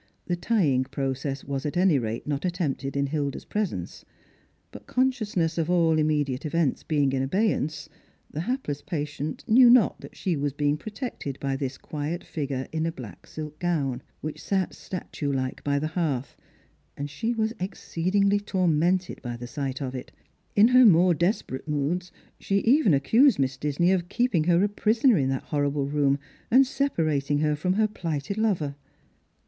The tying process was at any rate not attempted in Hilda's presence. But consciousness Strangers and Pilgrims. 325 of all immediate events being in abeyance, the "hapless patient knew not that she was being protected by this quiet figure in a black silk gown, which sat statue like by the hearth, and she was exceedingly tormented by the sight of it. In her more despe rate moods she even accused Miss Disney of keeping her a prisoner in that horrible room, and separating her from her phghted lover.